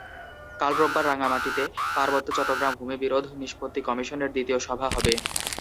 কাল রোববার রাঙামাটিতে পার্বত্য চট্টগ্রাম ভূমি বিরোধ নিষ্পত্তি কমিশনের দ্বিতীয় সভা হবে।